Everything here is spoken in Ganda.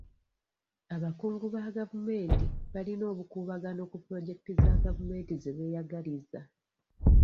Abakungu ba gavumenti balina obukuubagano ku puloojekiti za gavumenti ze beeyagaliza.